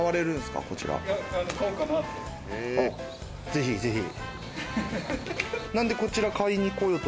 ぜひぜひ！